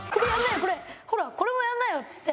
「ほらこれもやんなよ」っつって。